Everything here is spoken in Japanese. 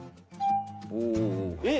えっ？